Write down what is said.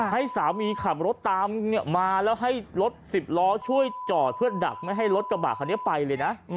ให้สามีขับรถตามมาแล้วให้รถสิบล้อช่วยจอดเพื่อดักไม่ให้รถกระบะคันนี้ไปเลยนะ